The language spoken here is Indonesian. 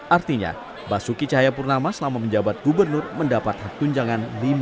artinya basuki cahayapurnama selama menjabat gubernur mendapat hak tunjangan